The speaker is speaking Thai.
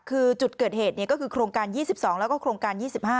คือจุดเกิดเหตุก็คือโครงการ๒๒แล้วก็โครงการ๒๕